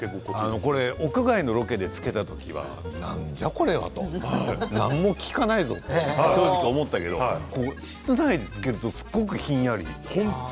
屋外のロケでつけた時は何じゃこれはと何も効かないぞと正直思ったけど室内でつけるとすごくひんやり。